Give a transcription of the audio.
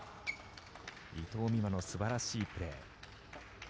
伊藤美誠の素晴らしいプレー。